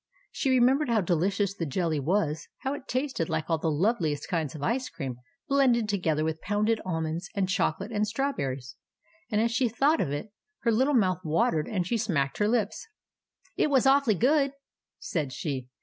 She remembered how deli cious the jelly was, how it tasted like all the loveliest kinds of ice cream blended together with pounded almonds and choco late and strawberries ; and as she thought of it, her little mouth watered and she smacked her lips. " It was awfully good," said she.